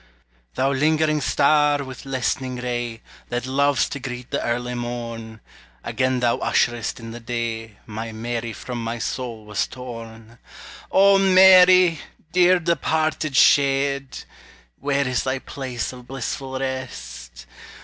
] Thou lingering star, with lessening ray, That lov'st to greet the early morn, Again thou usher'st in the day My Mary from my soul was torn. O Mary! dear departed shade! Where is thy place of blissful rest?